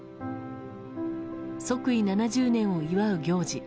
即位７０年を祝う行事